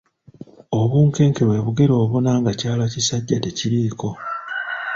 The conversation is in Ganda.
Obunkenke bwe bugere obuna nga kyala kisajja tekiriiko.